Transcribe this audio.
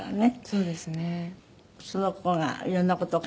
そうですね。